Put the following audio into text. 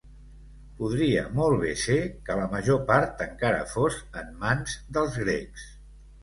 Podria molt bé ser que la major part encara fos en mans dels grecs.